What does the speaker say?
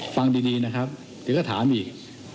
ฟังดีนะครับเดี๋ยวก็ถามอีก